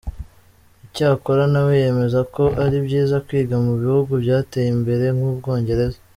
Icyakora nawe yemeza ko ari byiza kwiga mu bihugu byateye imbere nk’u Bwongereza.